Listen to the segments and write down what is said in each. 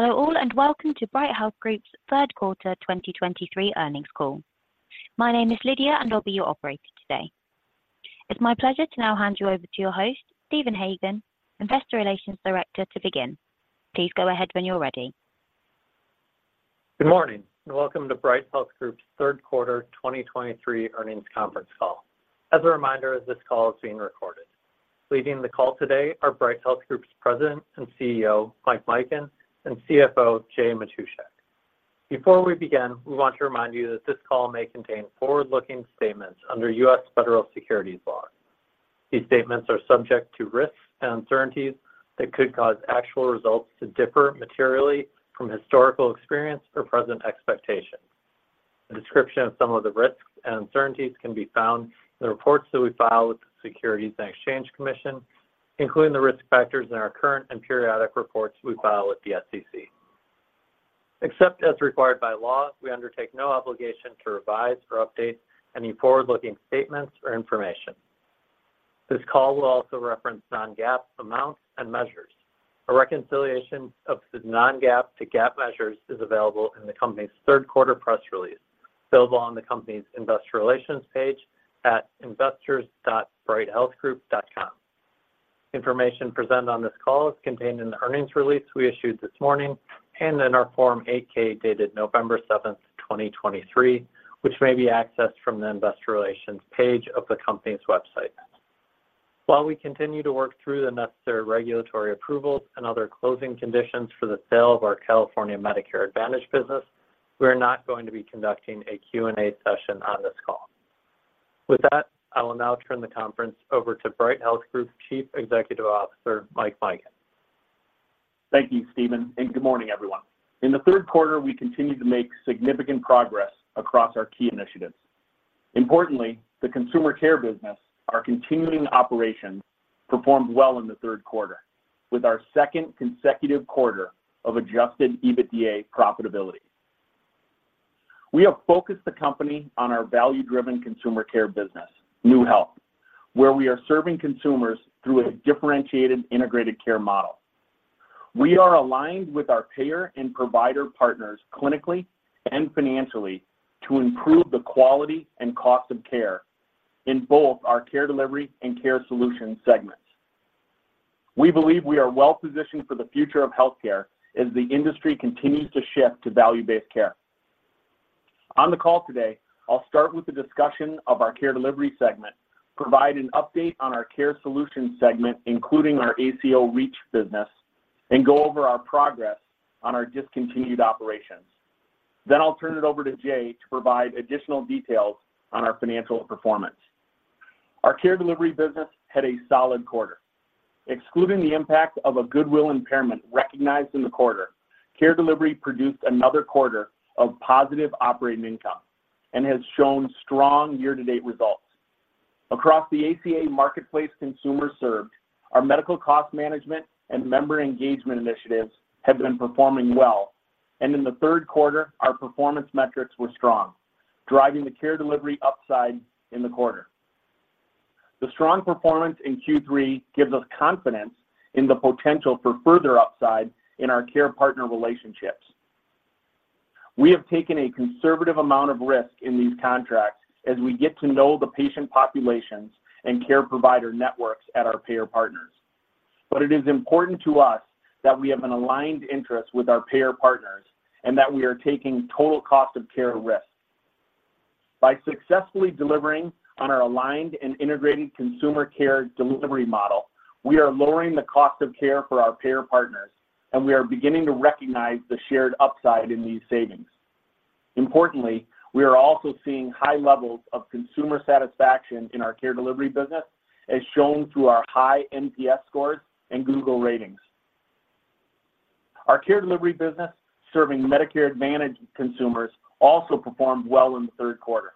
Hello all, and welcome to Bright Health Group's third quarter 2023 earnings call. My name is Lydia, and I'll be your operator today. It's my pleasure to now hand you over to your host, Stephen Hagan, Investor Relations Director, to begin. Please go ahead when you're ready. Good morning, and welcome to Bright Health Group's third quarter 2023 earnings conference call. As a reminder, this call is being recorded. Leading the call today are Bright Health Group's President and CEO, Mike Mikan, and CFO, Jay Matushak. Before we begin, we want to remind you that this call may contain forward-looking statements under U.S. Federal Securities law. These statements are subject to risks and uncertainties that could cause actual results to differ materially from historical experience or present expectations. A description of some of the risks and uncertainties can be found in the reports that we file with the Securities and Exchange Commission, including the risk factors in our current and periodic reports we file with the SEC. Except as required by law, we undertake no obligation to revise or update any forward-looking statements or information. This call will also reference non-GAAP amounts and measures. A reconciliation of the non-GAAP to GAAP measures is available in the company's third quarter press release, available on the company's investor relations page at investors.brighthealthgroup.com. Information presented on this call is contained in the earnings release we issued this morning and in our Form 8-K, dated November 7, 2023, which may be accessed from the investor relations page of the company's website. While we continue to work through the necessary regulatory approvals and other closing conditions for the sale of our California Medicare Advantage business, we are not going to be conducting a Q&A session on this call. With that, I will now turn the conference over to Bright Health Group's Chief Executive Officer, Mike Mikan. Thank you, Stephen, and good morning, everyone. In the third quarter, we continued to make significant progress across our key initiatives. Importantly, the consumer care business, our continuing operations, performed well in the third quarter, with our second consecutive quarter of adjusted EBITDA profitability. We have focused the company on our value-driven consumer care business, NeueHealth, where we are serving consumers through a differentiated integrated care model. We are aligned with our payer and provider partners clinically and financially to improve the quality and cost of care in both our care delivery and care solution segments. We believe we are well positioned for the future of healthcare as the industry continues to shift to value-based care. On the call today, I'll start with a discussion of our care delivery segment, provide an update on our care solutions segment, including our ACO REACH business, and go over our progress on our discontinued operations. Then I'll turn it over to Jay to provide additional details on our financial performance. Our care delivery business had a solid quarter. Excluding the impact of a goodwill impairment recognized in the quarter, care delivery produced another quarter of positive operating income and has shown strong year-to-date results. Across the ACA Marketplace consumers served, our medical cost management and member engagement initiatives have been performing well, and in the third quarter, our performance metrics were strong, driving the care delivery upside in the quarter. The strong performance in Q3 gives us confidence in the potential for further upside in our care partner relationships. We have taken a conservative amount of risk in these contracts as we get to know the patient populations and care provider networks at our payer partners. But it is important to us that we have an aligned interest with our payer partners and that we are taking total cost of care risks. By successfully delivering on our aligned and integrated consumer care delivery model, we are lowering the cost of care for our payer partners, and we are beginning to recognize the shared upside in these savings. Importantly, we are also seeing high levels of consumer satisfaction in our care delivery business, as shown through our high NPS scores and Google ratings. Our care delivery business, serving Medicare Advantage consumers, also performed well in the third quarter.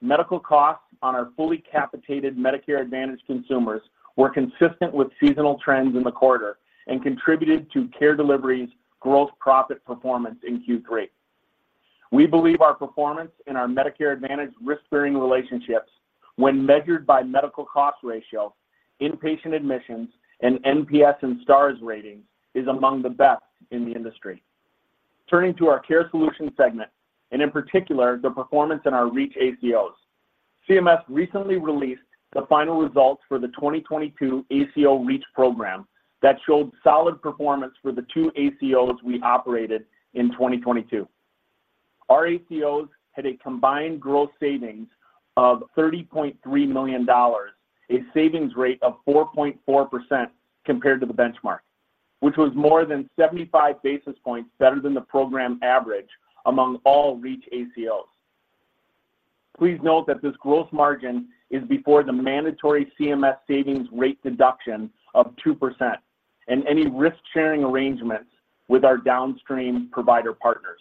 Medical costs on our fully capitated Medicare Advantage consumers were consistent with seasonal trends in the quarter and contributed to care delivery's gross profit performance in Q3. We believe our performance in our Medicare Advantage risk-bearing relationships, when measured by medical cost ratio, inpatient admissions, and NPS and Star ratings, is among the best in the industry. Turning to our care solutions segment, and in particular, the performance in our REACH ACOs. CMS recently released the final results for the 2022 ACO REACH program that showed solid performance for the two ACOs we operated in 2022. Our ACOs had a combined gross savings of $30.3 million, a savings rate of 4.4% compared to the benchmark, which was more than 75 basis points better than the program average among all REACH ACOs. Please note that this gross margin is before the mandatory CMS savings rate deduction of 2% and any risk-sharing arrangements with our downstream provider partners.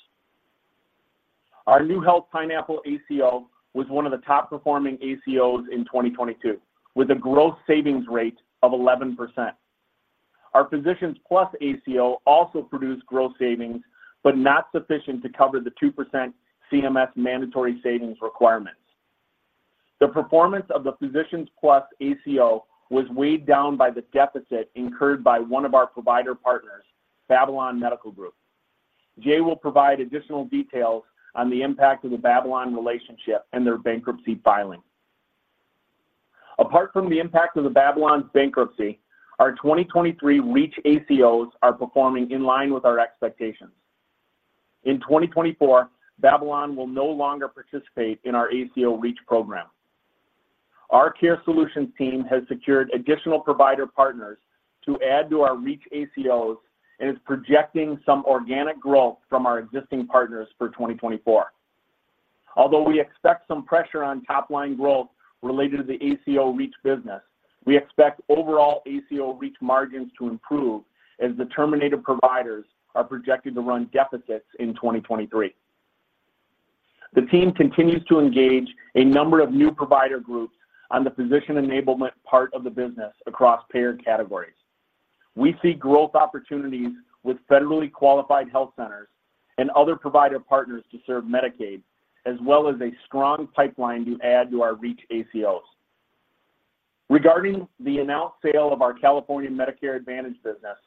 Our NeueHealth Pineapple ACO was one of the top performing ACOs in 2022, with a gross savings rate of 11%. Our Physicians Plus ACO also produced gross savings, but not sufficient to cover the 2% CMS mandatory savings requirements. The performance of the Physicians Plus ACO was weighed down by the deficit incurred by one of our provider partners, Babylon Medical Group. Jay will provide additional details on the impact of the Babylon relationship and their bankruptcy filing. Apart from the impact of the Babylon's bankruptcy, our 2023 REACH ACOs are performing in line with our expectations. In 2024, Babylon will no longer participate in our ACO REACH program. Our care solutions team has secured additional provider partners to add to our REACH ACOs, and is projecting some organic growth from our existing partners for 2024. Although we expect some pressure on top-line growth related to the ACO REACH business, we expect overall ACO REACH margins to improve as the terminated providers are projected to run deficits in 2023. The team continues to engage a number of new provider groups on the physician enablement part of the business across payer categories. We see growth opportunities with federally qualified health centers and other provider partners to serve Medicaid, as well as a strong pipeline to add to our REACH ACOs. Regarding the announced sale of our California Medicare Advantage business,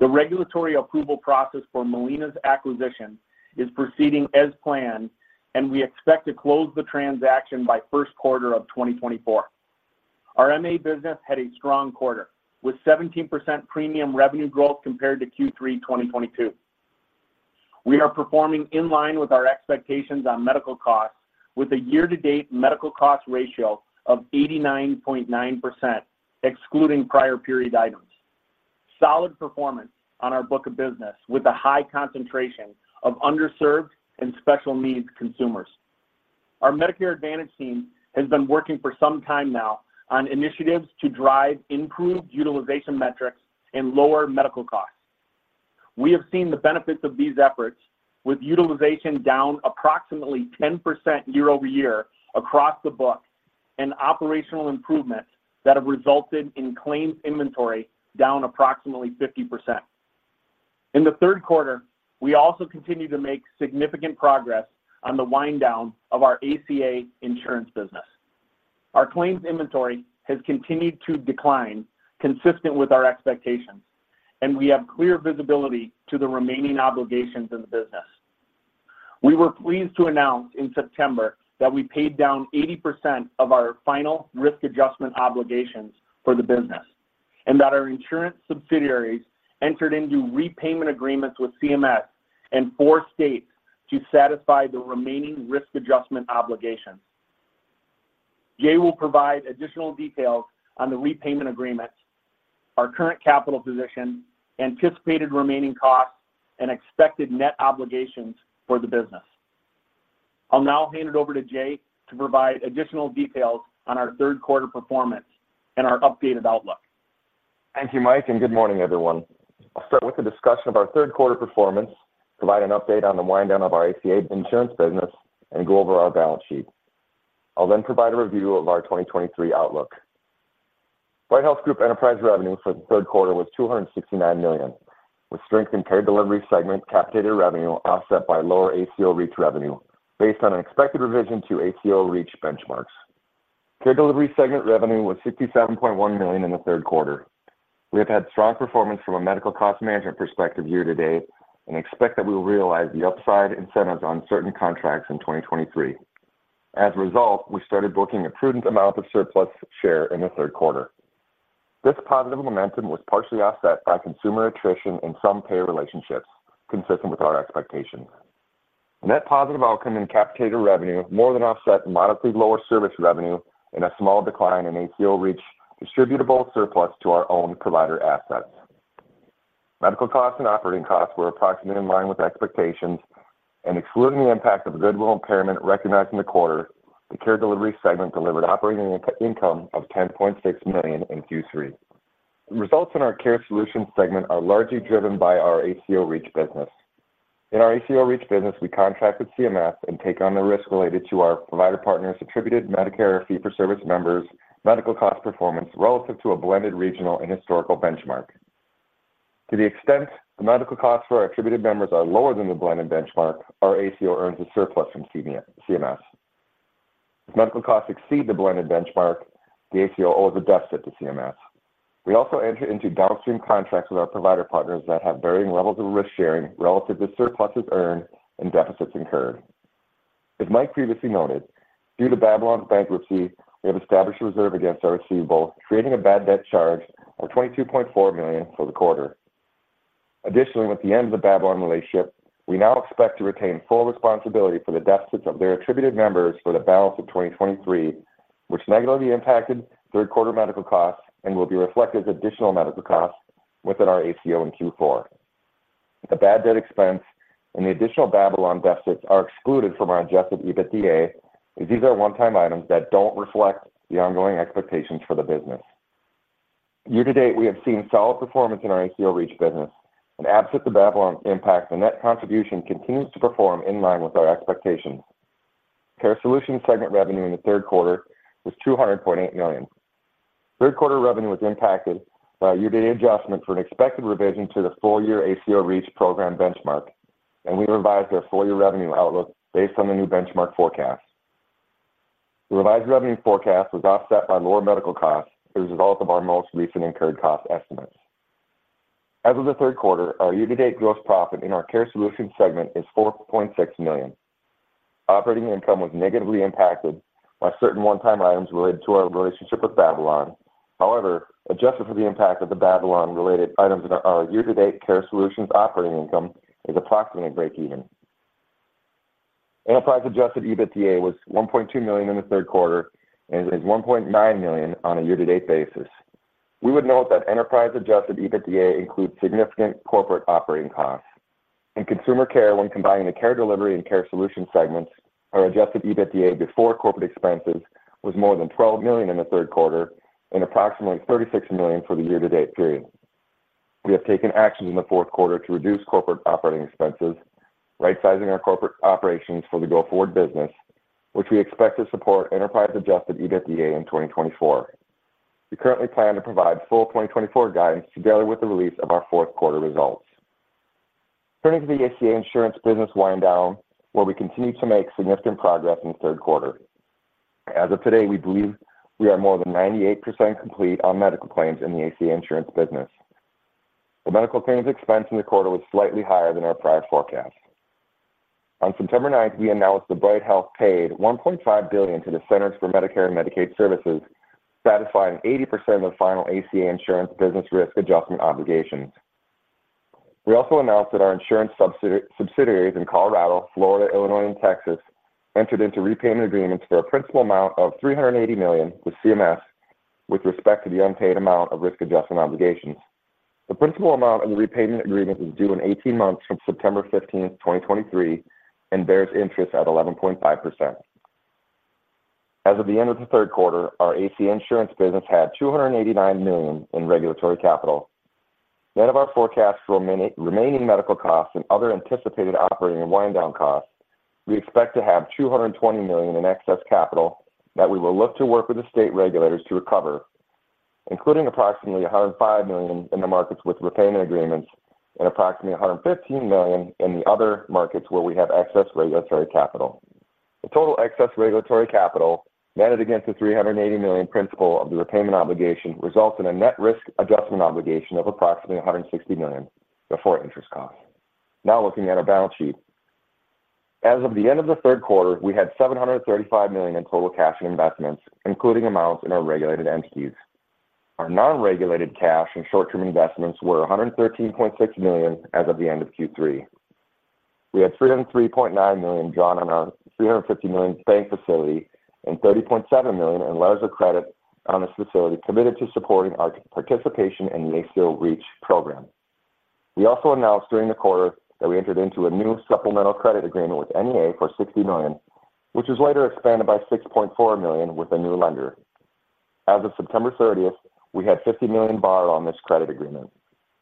the regulatory approval process for Molina's acquisition is proceeding as planned, and we expect to close the transaction by first quarter of 2024. Our MA business had a strong quarter, with 17% premium revenue growth compared to Q3 2022. We are performing in line with our expectations on medical costs, with a year-to-date medical cost ratio of 89.9%, excluding prior period items. Solid performance on our book of business, with a high concentration of underserved and special needs consumers. Our Medicare Advantage team has been working for some time now on initiatives to drive improved utilization metrics and lower medical costs. We have seen the benefits of these efforts, with utilization down approximately 10% year-over-year across the book and operational improvements that have resulted in claims inventory down approximately 50%. In the third quarter, we also continued to make significant progress on the wind down of our ACA insurance business. Our claims inventory has continued to decline, consistent with our expectations, and we have clear visibility to the remaining obligations in the business. We were pleased to announce in September that we paid down 80% of our final risk adjustment obligations for the business, and that our insurance subsidiaries entered into repayment agreements with CMS and four states to satisfy the remaining risk adjustment obligations. Jay will provide additional details on the repayment agreements, our current capital position, anticipated remaining costs, and expected net obligations for the business. I'll now hand it over to Jay to provide additional details on our third quarter performance and our updated outlook. Thank you, Mike, and good morning, everyone. I'll start with a discussion of our third quarter performance, provide an update on the wind down of our ACA insurance business, and go over our balance sheet. I'll then provide a review of our 2023 outlook. Bright Health Group enterprise revenue for the third quarter was $269 million, with strength in care delivery segment capitated revenue, offset by lower ACO REACH revenue based on an expected revision to ACO REACH benchmarks. Care delivery segment revenue was $67.1 million in the third quarter. We have had strong performance from a medical cost management perspective year to date and expect that we will realize the upside incentives on certain contracts in 2023. As a result, we started booking a prudent amount of surplus share in the third quarter. This positive momentum was partially offset by consumer attrition in some payer relationships, consistent with our expectations. Net positive outcome in capitated revenue more than offset modestly lower service revenue and a small decline in ACO REACH distributable surplus to our own provider assets. Medical costs and operating costs were approximately in line with expectations, and excluding the impact of goodwill impairment recognized in the quarter, the care delivery segment delivered operating income of $10.6 million in Q3. Results in our care solutions segment are largely driven by our ACO REACH business. In our ACO REACH business, we contract with CMS and take on the risk related to our provider partners, attributed Medicare fee-for-service members, medical cost performance, relative to a blended regional and historical benchmark. To the extent the medical costs for our attributed members are lower than the blended benchmark, our ACO earns a surplus from CMS. If medical costs exceed the blended benchmark, the ACO owes a deficit to CMS. We also enter into downstream contracts with our provider partners that have varying levels of risk sharing relative to surpluses earned and deficits incurred. As Mike previously noted, due to Babylon's bankruptcy, we have established a reserve against our receivable, creating a bad debt charge of $22.4 million for the quarter. Additionally, with the end of the Babylon relationship, we now expect to retain full responsibility for the deficits of their attributed members for the balance of 2023, which negatively impacted third quarter medical costs and will be reflected as additional medical costs within our ACO in Q4. The bad debt expense and the additional Babylon deficits are excluded from our Adjusted EBITDA, as these are one-time items that don't reflect the ongoing expectations for the business. Year-to-date, we have seen solid performance in our ACO REACH business, and absent the Babylon impact, the net contribution continues to perform in line with our expectations. Care Solutions segment revenue in the third quarter was $200.8 million. Third quarter revenue was impacted by a year-to-date adjustment for an expected revision to the full year ACO REACH program benchmark, and we revised our full year revenue outlook based on the new benchmark forecast. The revised revenue forecast was offset by lower medical costs as a result of our most recent incurred cost estimates. As of the third quarter, our year-to-date gross profit in our Care Solutions segment is $4.6 million. Operating income was negatively impacted by certain one-time items related to our relationship with Babylon. However, adjusted for the impact of the Babylon-related items in our year-to-date Care Solutions operating income is approximately breakeven. Enterprise Adjusted EBITDA was $1.2 million in the third quarter and is $1.9 million on a year-to-date basis. We would note that enterprise-adjusted EBITDA includes significant corporate operating costs. In Consumer Care, when combining the care delivery and care solutions segments, our Adjusted EBITDA before corporate expenses was more than $12 million in the third quarter and approximately $36 million for the year-to-date period. We have taken actions in the fourth quarter to reduce corporate operating expenses, rightsizing our corporate operations for the go-forward business, which we expect to support enterprise-adjusted EBITDA in 2024. We currently plan to provide full 2024 guidance together with the release of our fourth quarter results. Turning to the ACA insurance business wind down, where we continued to make significant progress in the third quarter. As of today, we believe we are more than 98% complete on medical claims in the ACA insurance business. The medical claims expense in the quarter was slightly higher than our prior forecast. On September 9, we announced that Bright Health paid $1.5 billion to the Centers for Medicare and Medicaid Services, satisfying 80% of the final ACA insurance business risk adjustment obligations. We also announced that our insurance subsidiaries in Colorado, Florida, Illinois, and Texas entered into repayment agreements for a principal amount of $380 million with CMS, with respect to the unpaid amount of risk adjustment obligations. The principal amount of the repayment agreement is due in 18 months from September 15, 2023, and bears interest at 11.5%. As of the end of the third quarter, our ACA insurance business had $289 million in regulatory capital. Net of our forecast for remaining medical costs and other anticipated operating and wind down costs, we expect to have $220 million in excess capital that we will look to work with the state regulators to recover, including approximately $105 million in the markets with repayment agreements and approximately $115 million in the other markets where we have excess regulatory capital. The total excess regulatory capital, netted against the $380 million principal of the repayment obligation, results in a net risk adjustment obligation of approximately $160 million before interest costs. Now, looking at our balance sheet. As of the end of the third quarter, we had $735 million in total cash and investments, including amounts in our regulated entities. Our non-regulated cash and short-term investments were $113.6 million as of the end of Q3. We had $303.9 million drawn on our $350 million bank facility and $30.7 million in letters of credit on this facility committed to supporting our participation in the ACO REACH program. We also announced during the quarter that we entered into a new supplemental credit agreement with NEA for $60 million, which was later expanded by $6.4 million with a new lender. As of September 30, we had $50 million borrowed on this credit agreement.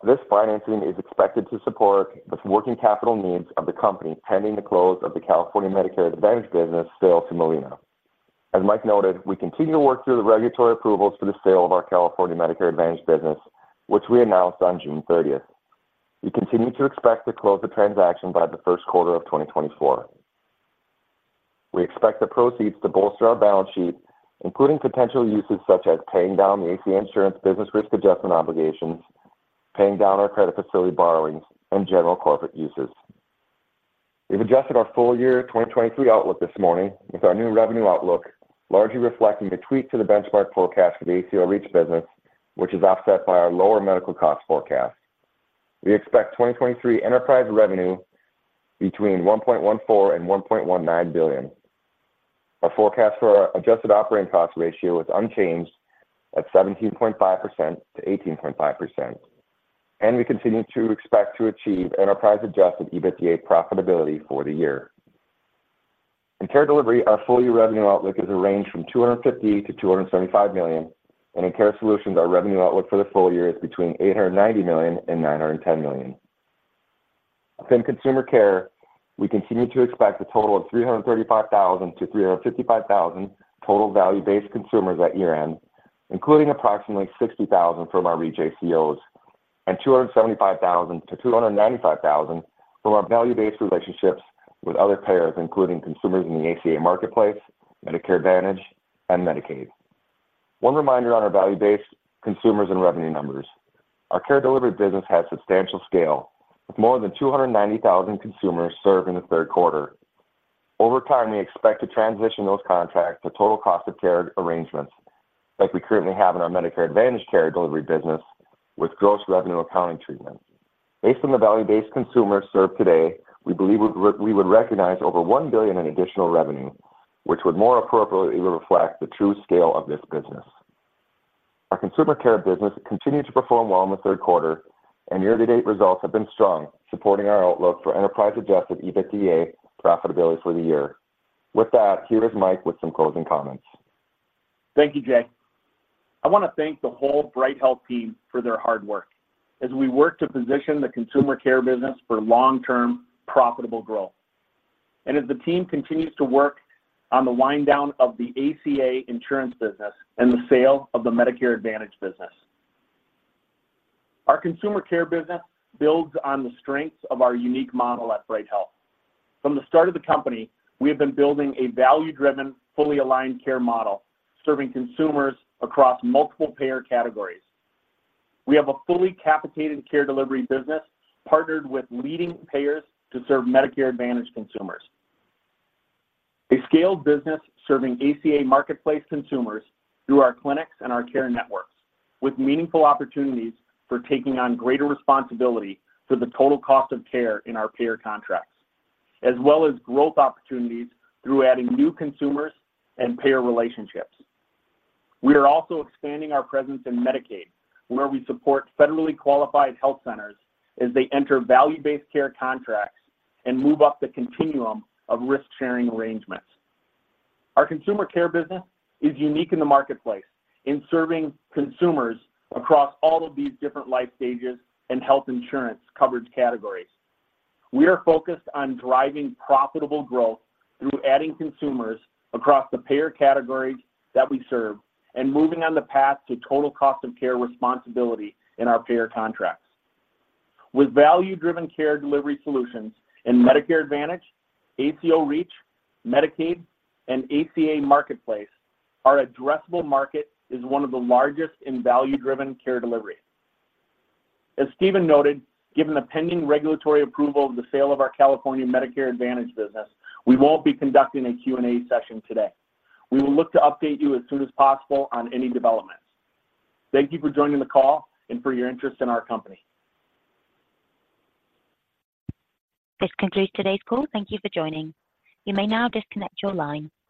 This financing is expected to support the working capital needs of the company, pending the close of the California Medicare Advantage business sale to Molina. As Mike noted, we continue to work through the regulatory approvals for the sale of our California Medicare Advantage business, which we announced on June 30. We continue to expect to close the transaction by the first quarter of 2024. We expect the proceeds to bolster our balance sheet, including potential uses such as paying down the ACA insurance business risk adjustment obligations, paying down our credit facility borrowings, and general corporate uses. We've adjusted our full year 2023 outlook this morning, with our new revenue outlook largely reflecting the tweak to the benchmark forecast for the ACO REACH business, which is offset by our lower medical cost forecast. We expect 2023 enterprise revenue between $1.14 billion-$1.19 billion. Our forecast for our adjusted operating cost ratio is unchanged at 17.5%-18.5%, and we continue to expect to achieve enterprise-adjusted EBITDA profitability for the year. In care delivery, our full year revenue outlook is a range from $250 million-$275 million, and in care solutions, our revenue outlook for the full year is between $890 million and $910 million. Within consumer care, we continue to expect a total of 335,000-355,000 total value-based consumers at year-end, including approximately 60,000 from our REACH ACOs and 275,000-295,000 from our value-based relationships with other payers, including consumers in the ACA Marketplace, Medicare Advantage, and Medicaid. One reminder on our value-based consumers and revenue numbers: Our care delivery business has substantial scale, with more than 290,000 consumers served in the third quarter. Over time, we expect to transition those contracts to total cost of care arrangements, like we currently have in our Medicare Advantage care delivery business, with gross revenue accounting treatment. Based on the value-based consumers served today, we believe we, we would recognize over $1 billion in additional revenue, which would more appropriately reflect the true scale of this business. Our consumer care business continued to perform well in the third quarter, and year-to-date results have been strong, supporting our outlook for enterprise-adjusted EBITDA profitability for the year. With that, here is Mike with some closing comments. Thank you, Jay. I want to thank the whole Bright Health team for their hard work as we work to position the consumer care business for long-term, profitable growth... and as the team continues to work on the wind down of the ACA insurance business and the sale of the Medicare Advantage business. Our consumer care business builds on the strengths of our unique model at Bright Health. From the start of the company, we have been building a value-driven, fully aligned care model, serving consumers across multiple payer categories. We have a fully capitated care delivery business, partnered with leading payers to serve Medicare Advantage consumers. A scaled business serving ACA Marketplace consumers through our clinics and our care networks, with meaningful opportunities for taking on greater responsibility for the total cost of care in our payer contracts, as well as growth opportunities through adding new consumers and payer relationships. We are also expanding our presence in Medicaid, where we support federally qualified health centers as they enter value-based care contracts and move up the continuum of risk-sharing arrangements. Our consumer care business is unique in the marketplace in serving consumers across all of these different life stages and health insurance coverage categories. We are focused on driving profitable growth through adding consumers across the payer categories that we serve and moving on the path to total cost of care responsibility in our payer contracts. With value-driven care delivery solutions in Medicare Advantage, ACO REACH, Medicaid, and ACA Marketplace, our addressable market is one of the largest in value-driven care delivery. As Stephen noted, given the pending regulatory approval of the sale of our California Medicare Advantage business, we won't be conducting a Q&A session today. We will look to update you as soon as possible on any developments. Thank you for joining the call and for your interest in our company. This concludes today's call. Thank you for joining. You may now disconnect your line.